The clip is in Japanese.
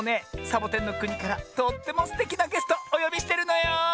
サボテンのくにからとってもすてきなゲストおよびしてるのよ。